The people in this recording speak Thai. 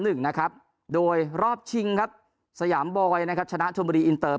หนึ่งนะครับโดยรอบชิงครับสยามบอยนะครับชนะชนบุรีอินเตอร์